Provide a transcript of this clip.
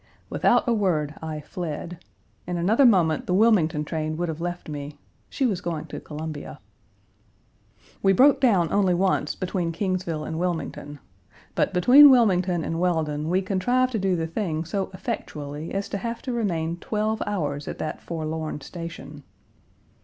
Without a word I fled. In another moment the Wilmington train would have left me. She was going to Columbia. We broke down only once between Kingsville and Wilmington, but between Wilmington and Weldon we contrived to do the thing so effectually as to have to remain twelve hours at that forlorn station.